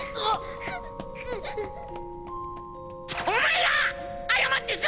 あっ。